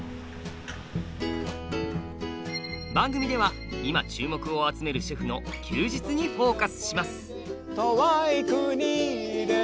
番組では今注目を集めるシェフの「休日」にフォーカスします。